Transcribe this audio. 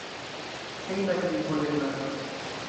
Hejma lingvolernado.